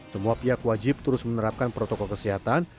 semua pihak wajib terus menerapkan protokol kesehatan